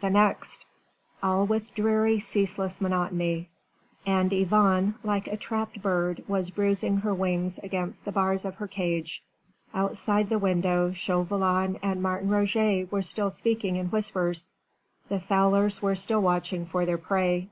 The next." All with dreary, ceaseless monotony: and Yvonne like a trapped bird was bruising her wings against the bars of her cage. Outside the window Chauvelin and Martin Roget were still speaking in whispers: the fowlers were still watching for their prey.